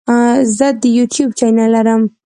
زه د یوټیوب چینل لرم.